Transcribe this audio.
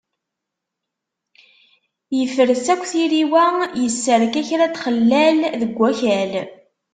Ifres akk tiriwa, yesserka kra n txellal deg wakal.